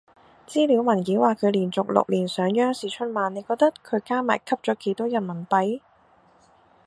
資料文件話佢連續六年上央視春晚，你覺得佢加埋吸咗幾多人民幣？